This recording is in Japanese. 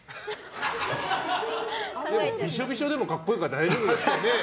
でも、びしょびしょでも格好いいから大丈夫だよ。